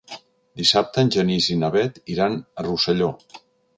Dissabte en Genís i na Bet iran a Rosselló.